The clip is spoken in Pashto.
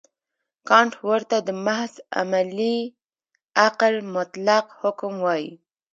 کانټ ورته د محض عملي عقل مطلق حکم وايي.